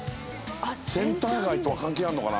センター街とは関係あるのかな？